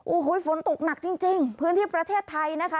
โอ้โหฝนตกหนักจริงพื้นที่ประเทศไทยนะคะ